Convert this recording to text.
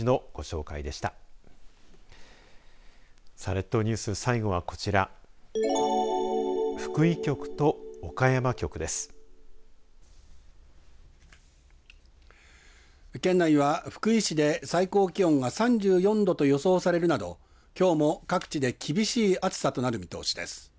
県内は福井市で最高気温が３４度と予想されるなどきょうも各地で厳しい暑さとなる見通しです。